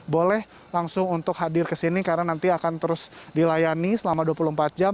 boleh langsung untuk hadir ke sini karena nanti akan terus dilayani selama dua puluh empat jam